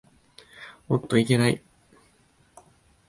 おっといけない。